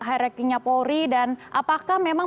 hirekingnya polri dan apakah memang